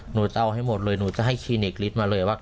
หนูจะเอาให้หมดเลยหนูจะให้คลินิกฤทธิมาเลยว่า